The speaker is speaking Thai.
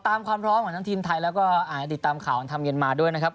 ตามความพร้อมของทีมไทยและอาณาติดตามข่าวอันธรรมเย็นมาร์ด้วยนะครับ